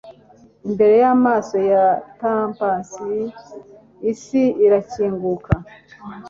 imbere y'amaso ya Thebans isi irakinguka